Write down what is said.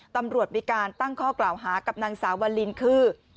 ตำรวจมีการตั้งข้อกล่าวหากับนางสาววาลินคือ